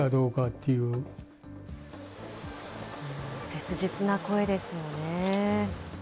切実な声ですよね。